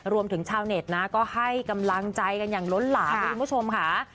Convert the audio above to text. รวมถึงชาวเน็ตก็ให้กำลังใจกันอย่างล้นหล่า